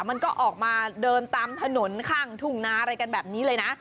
มันก็ออกมาเดินตามถนนข้างทุ่งนาอะไรกันแบบนี้เลยนะ